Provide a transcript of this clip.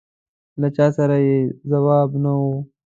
له چا سره یې ځواب نه و.